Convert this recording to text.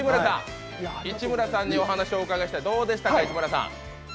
市村さんにお話をお伺いしたい、どうでしたか。